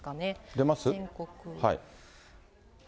出ます？